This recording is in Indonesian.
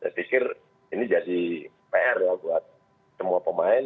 saya pikir ini jadi pr ya buat semua pemain